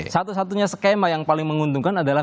satu satunya skema yang paling menguntungkan adalah